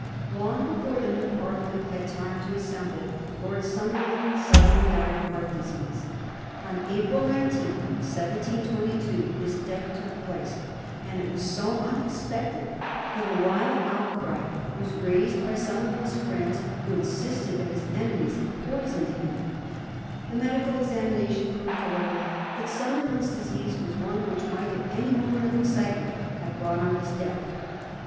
Long before the new Parliament had time to assemble Lord Sunderland suddenly died of heart disease. On April 19, 1722, his death took place, and it was so unexpected that a wild outcry was Digiti zed by Google 1722 dealTH of SUNDERLAOT). 271 raised by some of his Mends, who insisted that his enemies had poisoned him. The medical examination proved, however, that Sunderland's disease was one which might at any moment of excitement have brought on his death.